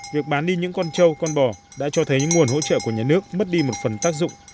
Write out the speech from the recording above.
việc bán đi những con trâu con bò đã cho thấy nguồn hỗ trợ của nhà nước mất đi một phần tác dụng